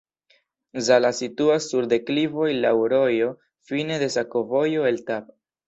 Zala situas sur deklivoj, laŭ rojo, fine de sakovojo el Tab.